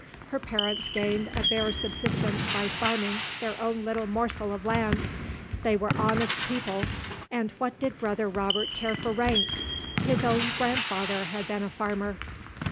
Her parents gained a bare subsistence by farming their own little morsel of land; they were honest people and what did brother Robert care for rank? His own grandfather had been a farmer.